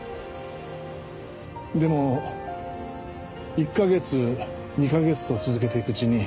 でも１カ月２カ月と続けていくうちに。